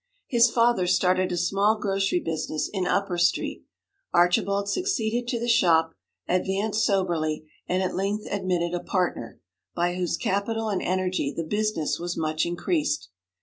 His father started a small grocery business in Upper Street; Archibald succeeded to the shop, advanced soberly, and at length admitted a partner, by whose capital and energy the business was much increased.